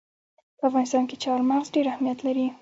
په افغانستان کې چار مغز ډېر اهمیت لري.